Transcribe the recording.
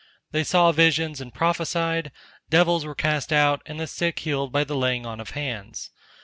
They saw visions and prophesied, devils were cast out and the sick healed by the laying on of hands.